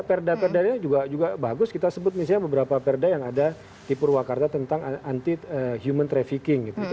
perda perda nya juga bagus kita sebut misalnya beberapa perda yang ada tipu ruwakarta tentang anti human trafficking gitu